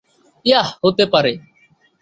Yeah, হতে পারে।